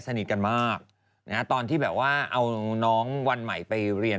สนิทกันมากตอนที่แบบว่าเอาน้องวันใหม่ไปเรียน